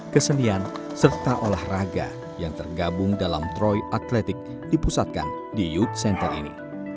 kesenian serta olahraga yang tergabung dalam troy athletic dipusatkan di youth center ini